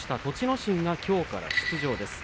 心がきょうから出場です。